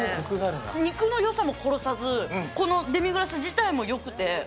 肉のよさも殺さず、このデミグラス自体もよくて。